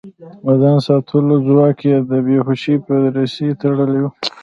د ځان ساتلو ځواک يې د بې هوشۍ په رسۍ تړلی و.